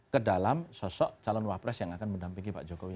ke dalam sosok calon wapres yang akan mendampingi pak jokowi